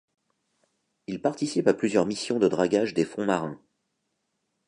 Il participe à plusieurs missions de dragage des fonds marins.